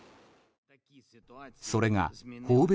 それが、訪米